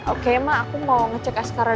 oke emang aku mau ngecek es kara dulu ya